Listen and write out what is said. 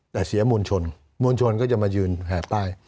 แต่เสียมวลชนมวลชนก็จะมายืนแห่ป้าย